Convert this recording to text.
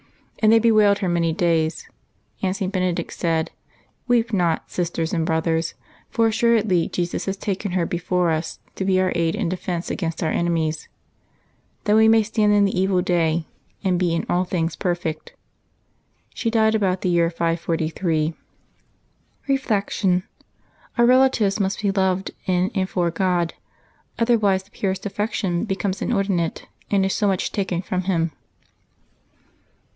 " And they bewailed her many days ;" and St. Benedict said, " Weep not, sis ters and brothers; for assuredly Jesus has taken her be fore us to be our aid and defence against all our enemies, that we may stand in the evil day and be in all things per fect." She died about the year 543. Reflection. — Our relatives must be loved in and for God; otherwise the purest affection becomes inordinate and is so much taken from Him.